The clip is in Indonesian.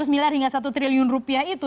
lima ratus miliar hingga satu triliun rupiah itu